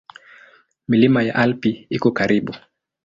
Milima ya Alpi iko karibu.